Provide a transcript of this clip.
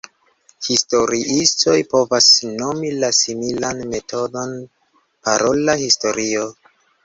Historiistoj povas nomi la similan metodon parola historio.